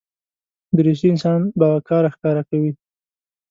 دریشي انسان باوقاره ښکاره کوي.